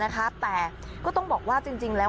แต่ก็ต้องบอกว่าจริงแล้ว